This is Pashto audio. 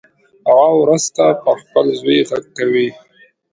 هغه وروسته پر خپل زوی غږ کوي